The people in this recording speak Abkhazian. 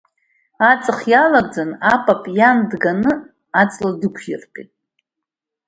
Аҵых иалагӡаны, апап иан дганы аҵла дықәиртәеит.